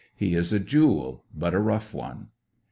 He is a jewel, but a rough one.